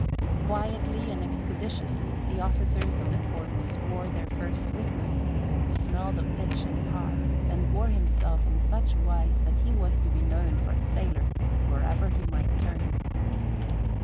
Quietly and expeditiously the officers of the Court swore their first witness, who smelled of pitch and tar and bore himself in such wise that he was to be known for a sailor wherever he might turn.